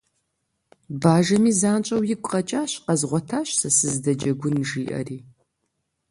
Бажэми занщӀэу игу къэкӀащ, къэзгъуэтащ сэ сызыдэджэгун, жиӀэри.